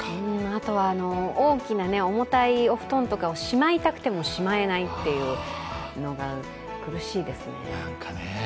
あとは、大きな重たいお布団をしまいたくてもしまえないのが苦しいですね。